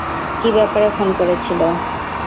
কী ব্যাপারে ফোন করেছিল?